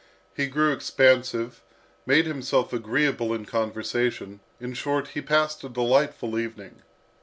He grew expansive, made himself agreeable in conversation, in short, he passed a delightful evening.